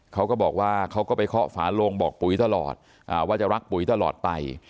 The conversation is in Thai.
เขาก็บอกว่าเขาก็ไปเคาะฝาโลงบอกปุ๋ยตลอดว่าจะรักปุ๋ยตลอดไป